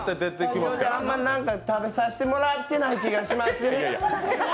あんまり食べさせてもらってない気がします。